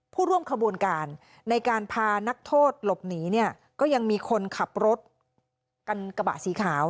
ผู้ร่วมขบวนการในการพานักโทษหลบหนีเนี่ยก็ยังมีคนขับรถกันกระบะสีขาว